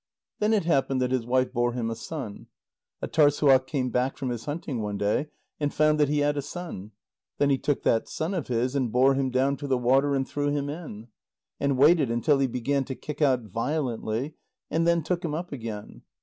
Then it happened that his wife bore him a son. Âtârssuaq came back from his hunting one day, and found that he had a son. Then he took that son of his and bore him down to the water and threw him in. And waited until he began to kick out violently, and then took him up again.